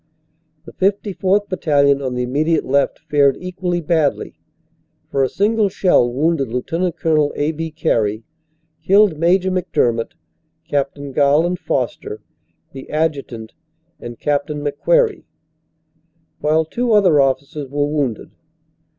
The 54th. Battalion on the immediate left fared equally badly, for a single shell wounded Lt. Col. A. B. Carey, killed Major McDermott, Capt. Garland Foster, the adjutant, and Capt McQuarrie, while two other officers were wounded.